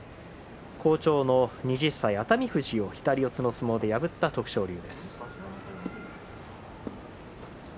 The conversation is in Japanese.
好調の熱海富士を左四つの相撲で破った徳勝龍です。